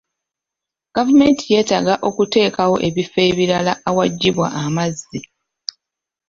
Gavumenti yeetaaga okuteekawo ebifo ebirala awaggibwa amazzi.